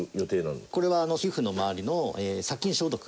これは皮膚の周りの殺菌消毒。